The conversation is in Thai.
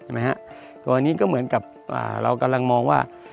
ก่อนอันนี้ก็เหมือนกับเรากำลังมองว่า